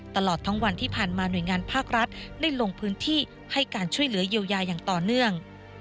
ตลอดทั้งวันที่ผ่านมาหน่วยงานภาครัฐได้ลงพื้นที่ให้การช่วยเหลือเยียวยาอย่างต่อเนื่อง